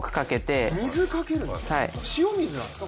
これは塩水なんですか？